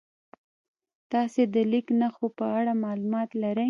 تاسې د لیک نښو په اړه معلومات لرئ؟